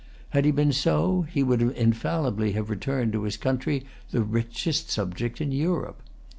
Had he been so he would infallibly have returned to his country the richest subject in Europe.